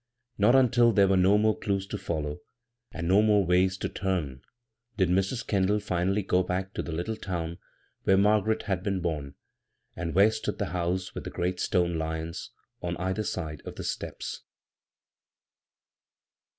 Not undl there were no more clews to follow, and no more ways to turn did Mis. Kendall finally go back to the little town where Margaret had been bom, and where stood the house with the great stone lions on either side of the steps.